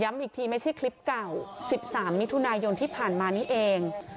อีกทีไม่ใช่คลิปเก่า๑๓มิถุนายนที่ผ่านมานี้เอง